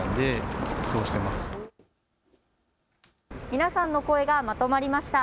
皆さんの声がまとまりました。